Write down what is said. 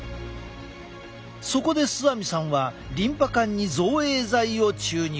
そこで須網さんはリンパ管に造影剤を注入。